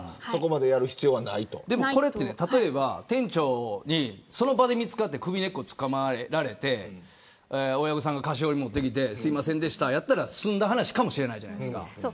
でもこれって例えば店長にその場で見つかって首根っこつかまれて親御さんが菓子折り持ってきてすみませんでしたとやったら済んだ話かもしれないじゃないですか。